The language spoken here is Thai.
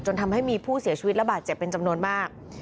ทำให้มีผู้เสียชีวิตระบาดเจ็บเป็นจำนวนมาก